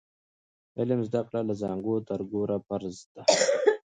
د علم زده کړه له زانګو تر ګوره فرض دی.